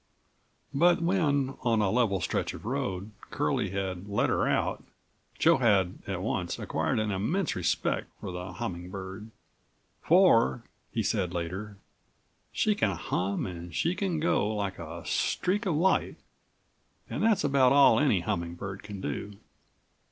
But when, on a level stretch of road, Curlie had "let her out," Joe had at once acquired an immense respect for the Humming Bird. "For," he said later, "she can hum and she can go like a streak of light, and that's about all any humming bird can do."